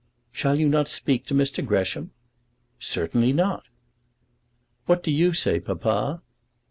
"Shall you not speak to Mr. Gresham?" "Certainly not." "What do you say, Papa?"